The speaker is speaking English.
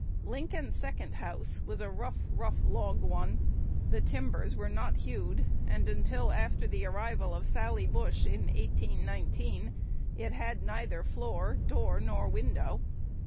Lincoln's second house was a "rough, rough log" one: the timbers were not hewed; and until after the arrival of Sally Bush, in 1819, it had neither floor, door, nor window.